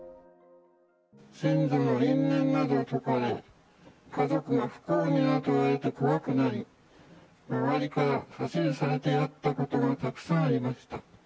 先祖の因縁などを説かれ、家族が不幸になると言われて怖くなり、周りから指図されてやったことがたくさんありました。